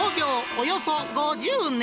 およそ５０年。